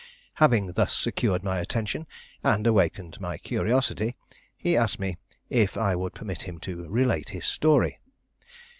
Having thus secured my attention, and awakened my curiosity, he asked me if I would permit him to relate his story.